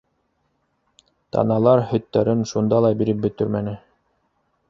Таналар һөттәрен шунда ла биреп бөтөрмәне.